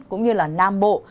cũng như là nam bộ